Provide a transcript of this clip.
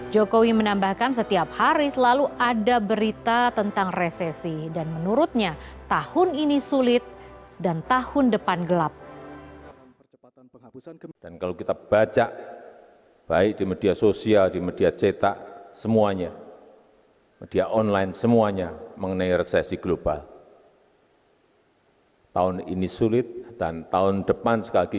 jokowi menambahkan setiap hari selalu ada berita tentang resesi dan menurutnya tahun ini sulit dan tahun depan gelap